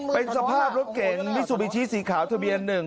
เป็นสภาพรถเก่งวิสุบิตชีสีขาวทะเบียนหนึ่ง